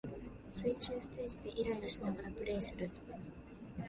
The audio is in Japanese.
水中ステージでイライラしながらプレイする